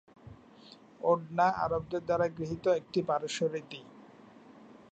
ওড়না আরবদের দ্বারা গৃহীত একটি পারস্য রীতি।